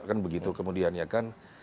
kan begitu kemudian ya kan